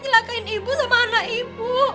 silakan ibu sama anak ibu